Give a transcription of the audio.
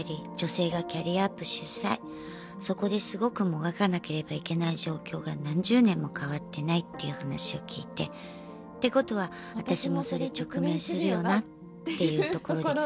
そこですごくもがかなければいけない状況が何十年も変わってないっていう話を聞いて。ってことは私もそれ直面するよなっていうところで。